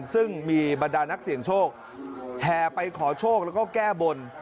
ซึ่งมีบรรดานักเสี่ยงโชคแห่ไปขอโชคแล้วก็แก้บน